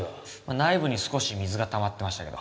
内部に少し水が溜まってましたけど。